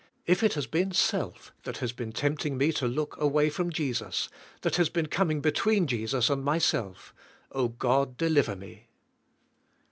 If it has been self that has been tempting" me to look away from Jesus, that has been coming between Jesus and myself, oh God deliver me."